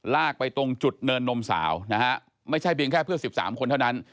ลากไปตรงจุดเนินนมสาวนะฮะไม่ใช่เพียงแค่เพื่อน๑๓คนเท่านั้น